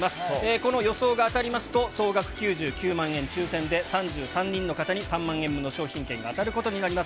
この予想が当たりますと、総額９９万円、抽せんで３３人の方に３万円分の商品券が当たることになります。